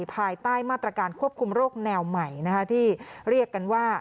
ภายใต้มาตรการควบคุมโรคแนวใหม่ที่เรียกกันว่า